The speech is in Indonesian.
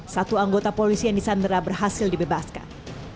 satu anggota polisi yang disandera berhasil dibebaskan